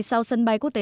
sau sân bay quốc tế